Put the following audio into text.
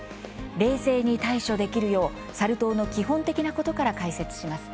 冷静に対処できるようサル痘の基本的なことから解説します。